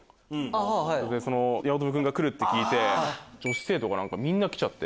八乙女君が来るって聞いて女子生徒がみんな来ちゃって。